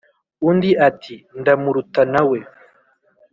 undi ati: "ndamuruta na we."